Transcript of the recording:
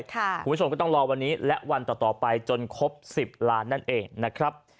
คุณผู้ชมก็ต้องรอวันนี้และวันต่อไปจนครบ๑๐ล้านนั่นเองนะครับ